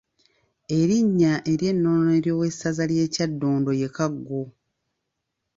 Erinnya ery’ennono ery’owessaza ly’e Kyaddondo ye Kaggo.